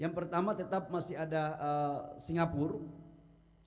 yang pertama tetap masih ada singapura